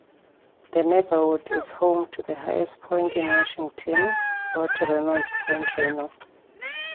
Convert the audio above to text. The neighborhood is home to the highest point in Washington, Fort Reno's Point Reno.